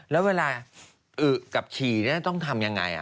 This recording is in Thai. แล้วเวลาอึกกับฉี่ต้องทำยังไง